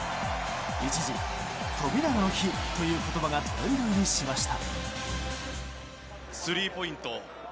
一時、富永の日という言葉がトレンド入りしました。